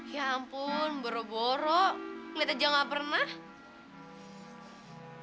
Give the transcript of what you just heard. ya ampun boro boro ngeliat aja gak pernah